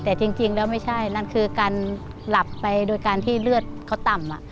แต่จริงแล้วไม่ใช่นั่นคือการหลับไปโดยการที่เลือดเขาต่ำ